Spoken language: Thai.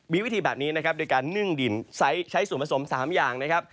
มีวิธีแบบนี้นะครับโดยการนึ่งดินใช้ส่วนผสม๓อย่างนะครับ